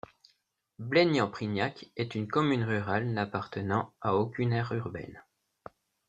Blaignan-Prignac est une commune rurale n'appartenant à aucune aire urbaine.